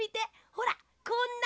ほらこんなに。